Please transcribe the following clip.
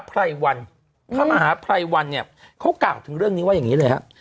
พระมหาภัยวันเขากล่าวถึงเรื่องนี้ว่าอย่างนี้เลย